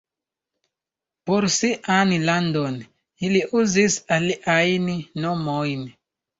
Por sian landon ili uzis aliajn nomojn.